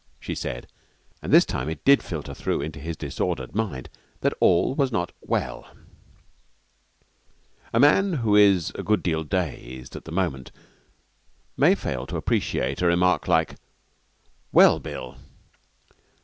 she said; and this time it did filter through into his disordered mind that all was not well. A man who is a good deal dazed at the moment may fail to appreciate a remark like 'Well, Bill?'